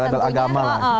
dengan agama lah